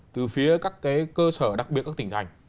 từ phía các cơ sở đặc biệt các tỉnh thành